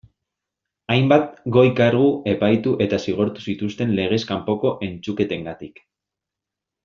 Hainbat goi kargu epaitu eta zigortu zituzten legez kanpoko entzuketengatik.